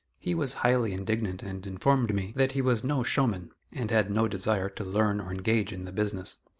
He was highly indignant and informed me that he was "no showman," and had no desire to learn or engage in the business.